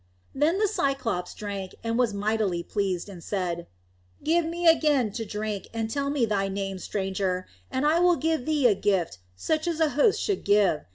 Then the Cyclops drank, and was mightily pleased, and said, "Give me again to drink, and tell me thy name, stranger, and I will give thee a gift such as a host should give.